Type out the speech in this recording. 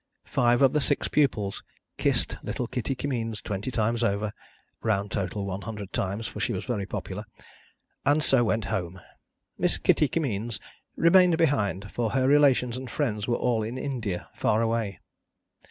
Five of the six pupils kissed little Kitty Kimmeens twenty times over (round total, one hundred times, for she was very popular), and so went home. Miss Kitty Kimmeens remained behind, for her relations and friends were all in India, far away.